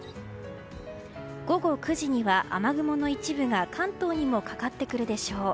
午後９時には雨雲の一部が関東にもかかってくるでしょう。